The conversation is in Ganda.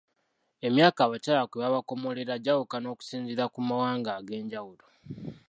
Emyaka abakyala kwe babakomolera gyawukana okusinziira ku mawanga ag'enjawulo